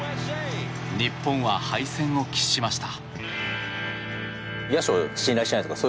日本は敗戦を喫しました。